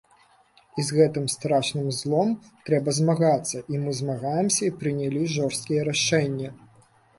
І з гэтым страшным злом трэба змагацца, і мы змагаемся і прынялі жорсткія рашэнні.